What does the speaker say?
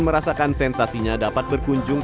merasakan sensasinya dapat berkunjung